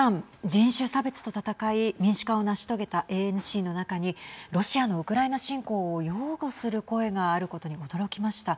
人種差別と戦い民主化を成し遂げたＡＮＣの中にロシアのウクライナ侵攻を擁護する声があることに驚きました。